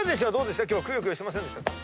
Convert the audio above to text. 今日くよくよしませんでしたか？